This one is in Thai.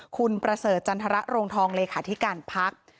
คุณประเสริฐจันทรโรงทองเลขาธิการพัก